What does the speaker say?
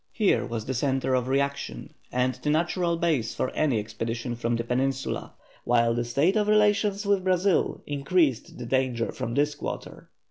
Here was the centre of reaction and the natural base for any expedition from the Peninsula, while the state of relations with Brazil increased the danger from this quarter.